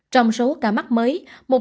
trong số ca mắc mới